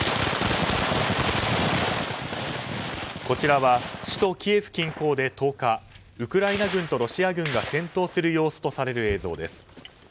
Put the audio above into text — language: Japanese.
こちらは首都キエフ近郊で１０日ウクライナ軍とロシア軍が戦闘する様子とされる映像です。